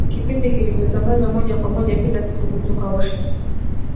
kipindi kilichotangazwa moja kwa moja kila siku kutoka Washington